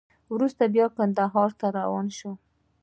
وروسته بیا کندهار ته روان دی.